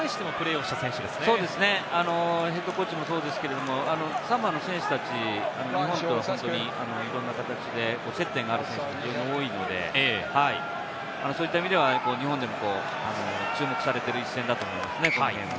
ＨＣもそうですが、サモアの選手たち、日本とは本当にいろんな形で接点がある選手が非常に多いので、そういった意味では日本でも注目されている一戦だと思います。